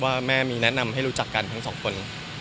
ว่าแม่มีแนะนำให้รู้จักกันทั้งสองคน